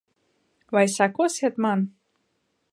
Vai sekosiet man?